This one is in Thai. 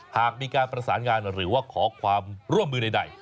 หากมีการประสานงานหรือว่าขอความร่วมมือใด